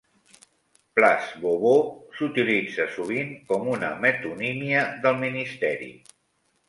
"Place Beauvau" s'utilitza sovint com una metonímia del ministeri.